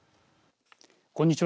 こんにちは。